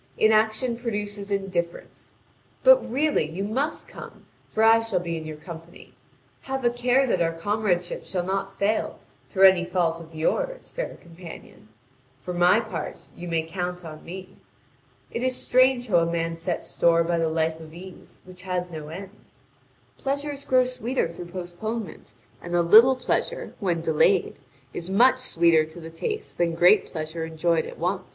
Inaction produces indifference. But, really, you must come, for I shall be in your company. Have a care that our comradeship shall not fail through any fault of yours, fair companion; for my part, you may count on me. It is strange how a man sets store by the life of ease which has no end. Pleasures grow sweeter through postponement; and a little pleasure, when delayed, is much sweeter to the taste than great pleasure enjoyed at once.